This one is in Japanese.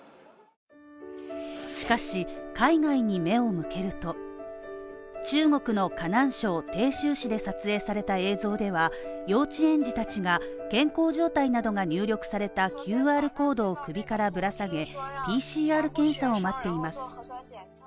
しかし、海外に目を向けると、中国の河南省鄭州市で撮影された映像では幼稚園児たちが健康状態などが入力されたＱＲコードを首からぶら下げ、ＰＣＲ検査を待っています。